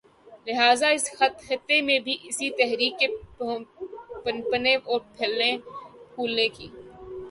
لہٰذا اس خطے میں بھی اس تحریک کے پنپنے اور پھلنے پھولنے کے